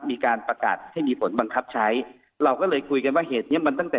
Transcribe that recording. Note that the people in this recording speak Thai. มีการประกาศให้มีผลบังคับใช้เราก็เลยคุยกันว่าเหตุเนี้ยมันตั้งแต่